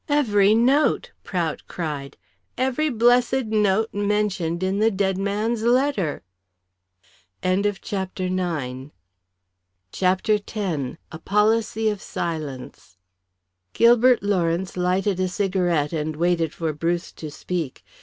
"Every note," Prout cried, "every blessed note mentioned in the dead's man's letter." CHAPTER X. A POLICY OF SILENCE. Gilbert Lawrence lighted a cigarette and waited for Bruce to speak.